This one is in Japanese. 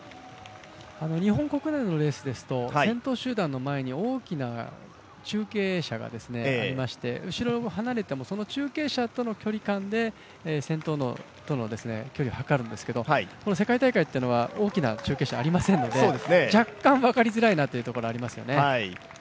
日本国内のレースですと、先頭集団の前に大きな中継車がありまして後ろ、離れてもその中継車との距離感で先頭との距離をはかるんですけど、世界大会というのは大きな中継車ありませんので若干分かりづらいなというところありますよね。